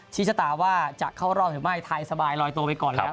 ชตาว่าจะเข้ารอบหรือไม่ไทยสบายลอยตัวไปก่อนแล้ว